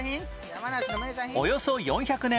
およそ４００年